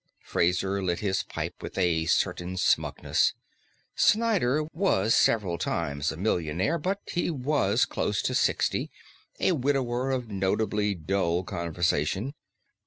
Fraser lit his pipe with a certain smugness. Snyder was several times a millionaire, but he was close to sixty, a widower of notably dull conversation.